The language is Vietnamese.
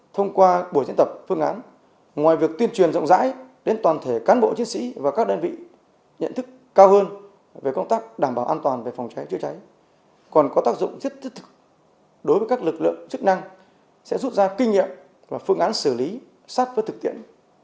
thông qua buổi diễn tập phương án ngoài việc tuyên truyền rộng rãi đến toàn thể cán bộ chiến sĩ và các đơn vị nhận thức cao hơn về công tác đảm bảo an toàn về phòng cháy chữa cháy còn có tác dụng rất thiết thực đối với các lực lượng chức năng sẽ rút ra kinh nghiệm và phương án xử lý sát với thực tiễn